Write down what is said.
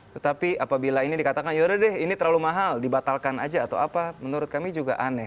tetapi apabila ini dikatakan yaudah deh ini terlalu mahal dibatalkan aja atau apa menurut kami juga aneh